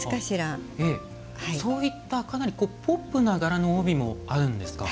そういったかなりポップな柄のあるんですか。